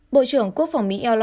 bộ trưởng quốc phòng mỹ eloy orban